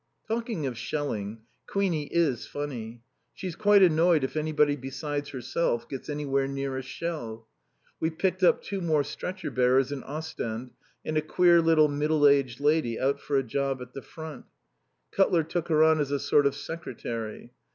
Talking of shelling, Queenie is funny. She's quite annoyed if anybody besides herself gets anywhere near a shell. We picked up two more stretcher bearers in Ostend and a queer little middle aged lady out for a job at the front. Cutler took her on as a sort of secretary.